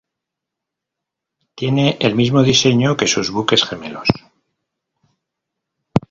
Tiene el mismo diseño que sus buques gemelos.